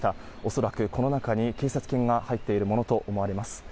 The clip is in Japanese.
恐らく、この中に警察犬が入っているものと思われます。